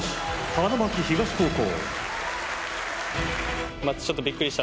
花巻東高校